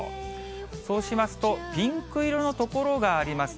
そうしますと、ピンク色の所がありますね。